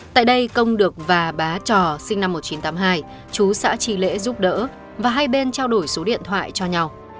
tại đây công được và bá trò sinh năm một nghìn chín trăm tám mươi hai chú xã tri lễ giúp đỡ và hai bên trao đổi số điện thoại cho nhau